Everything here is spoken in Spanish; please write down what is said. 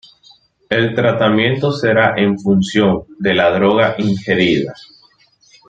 El tratamiento será en función de la droga ingerida.